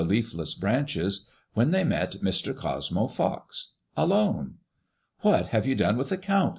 leafless branches, when they met Mr. Cosmo Fox — alone. " What have you done with the Count?"